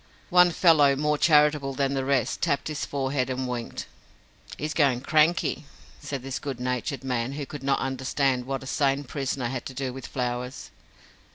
One fellow, more charitable than the rest, tapped his forehead and winked. "He's going cranky," said this good natured man, who could not understand what a sane prisoner had to do with flowers.